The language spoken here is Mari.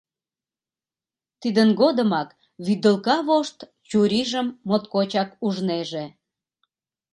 Тидын годымак вӱдылка вошт чурийжым моткочак ужнеже.